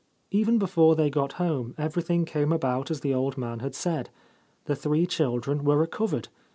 Even before they got home everything came about as the old man had said. The three children were recovered.